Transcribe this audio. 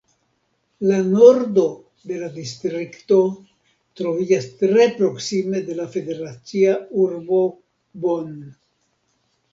La nordo de la distrikto troviĝas tre proksime de la federacia urbo Bonn.